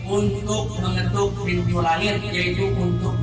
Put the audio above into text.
untuk memohon kepada pendosong anak kuat allah